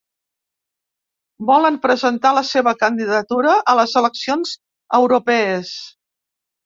Volen presentar la seva candidatura a les eleccions europees.